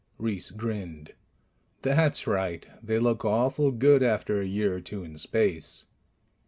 Reiss grinned. "That's right. They look awful good after a year or two in space."